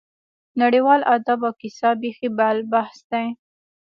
نړیوال ادب او کیسه بېخي بل بحث دی.